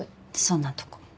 そんなとこ。